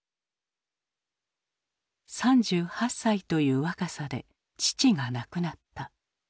３８歳という若さで父が亡くなった。